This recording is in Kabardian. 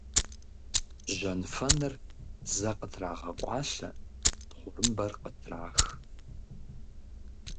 Жьэнфэныр зэ къытрагъэкъуалъэ, тхъурымбэр къытрах.